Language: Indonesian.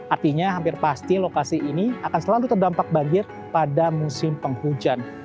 artinya hampir pasti lokasi ini akan selalu terdampak banjir pada musim penghujan